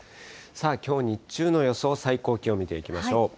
さあ、きょう日中の予想最高気温見ていきましょう。